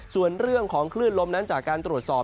ส่วนเรื่องของคลื่นลมนั้นจากการตรวจสอบ